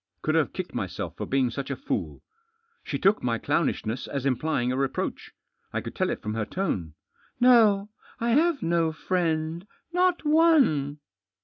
Could have kicked myself for being such a fool. She took my clownishness as implying a reproach. I could tell it from her tone. " No. I have no friend. Not one."